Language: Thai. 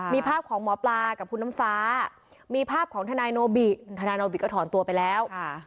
มีภาพของหมอปลากับคุณน้ำฟ้ามีภาพของทนายโนบิทนายโนบิก็ถอนตัวไปแล้ว